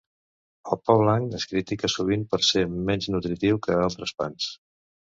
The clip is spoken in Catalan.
El pa blanc es critica sovint per ser menys nutritiu que altres pans.